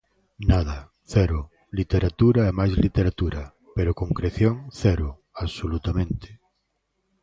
Nada, cero, literatura e máis literatura, pero concreción cero, absolutamente.